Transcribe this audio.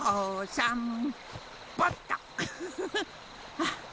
あっ。